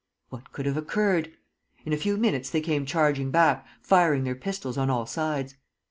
What could have occurred? In a few minutes they came charging back, firing their pistols on all sides.